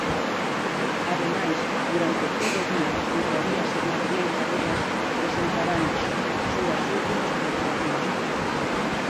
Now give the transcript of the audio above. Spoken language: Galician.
Ademais, durante todo o día, librarías e editoriais galegas presentarán as súas últimas publicacións.